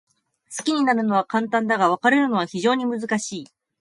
好きになるのは簡単だが、別れるのは非常に難しい。